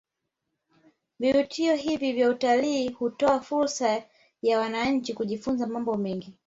Vivutio hivi vya utalii hutoa fursa ya wananchi kujifunza mambo mengi